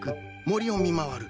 森を見回る。